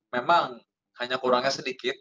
memang hanya kurangnya sedikit